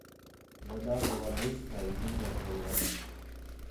Вода була бистра й дуже холодна.